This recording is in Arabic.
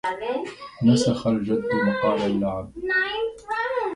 نسخ الجد مقال اللعب